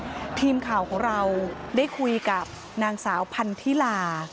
ร้องไห้ตลอดเวลาทีมข่าวของเราได้คุยกับนางสาวพันธิลา